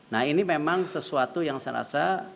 nah ini memang sesuatu yang saya rasa